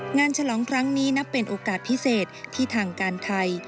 ฉลองครั้งนี้นับเป็นโอกาสพิเศษที่ทางการไทย